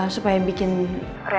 supaya bikin rena